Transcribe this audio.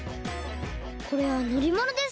これはのりものですね。